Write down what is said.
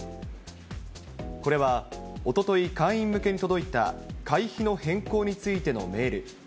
これは、おととい、会員向けに届いた、会費の変更についてのメール。